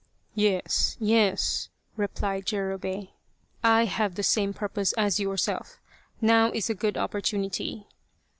" Yes, yes," replied Jurobei, " I have the same purpose as yourself. Now is a good opportunity.